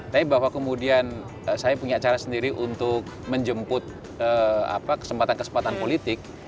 tapi bahwa kemudian saya punya cara sendiri untuk menjemput kesempatan kesempatan politik